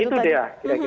itu dia kira kira